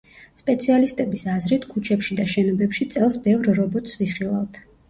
სპეციალისტების აზრით, ქუჩებში და შენობებში წელს ბევრ რობოტს ვიხილავთ.